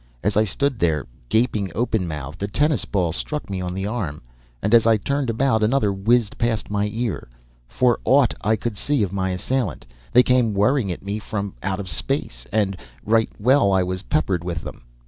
As I stood there, gaping open mouthed, a tennis ball struck me on the arm, and as I turned about, another whizzed past my ear. For aught I could see of my assailant, they came whirling at me from out of space, and right well was I peppered with them.